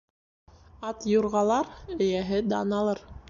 Ат юрғалар, эйәһе дан алыр.